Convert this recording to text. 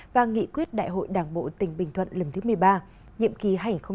và nghị quyết đại hội đảng bộ tình bình thuận lần thứ một mươi ba nhiệm kỳ hai nghìn một mươi năm hai nghìn hai mươi